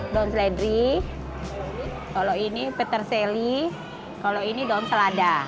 daun seledri kalau ini peterseli kalau ini daun selada